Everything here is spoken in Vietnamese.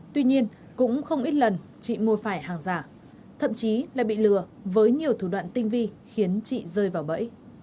tuy nhiên cũng không ít lần chị mua phải hàng giả thậm chí lại bị lừa với nhiều thủ đoạn tinh vi khiến chị rơi vào bẫy